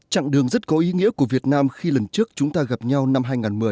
chặng đường rất có ý nghĩa của việt nam khi lần trước chúng ta gặp nhau năm hai nghìn một mươi